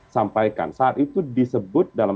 sampaikan saat itu disebut dalam